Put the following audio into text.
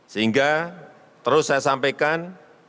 sehingga terus saya sampaikan